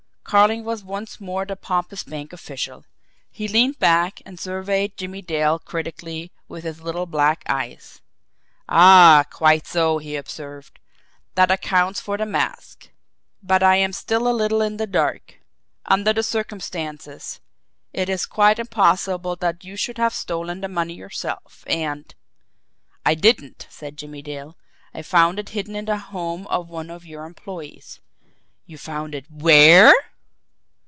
Carling was once more the pompous bank official. He leaned back and surveyed Jimmie Dale critically with his little black eyes. "Ah, quite so!" he observed. "That accounts for the mask. But I am still a little in the dark. Under the circumstances, it is quite impossible that you should have stolen the money yourself, and " "I didn't," said Jimmie Dale. "I found it hidden in the home of one of your employees." "You found it WHERE?"